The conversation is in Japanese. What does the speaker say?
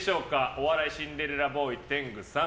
お笑いシンデレラボーイ天狗さん